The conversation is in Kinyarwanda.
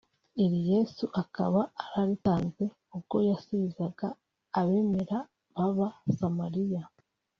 iri Yesu akaba yararitanze ubwo yasubizaga abemera b’aba Samaria